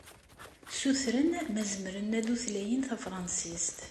Ssutren ma zemren ad utlayen tafṛansist.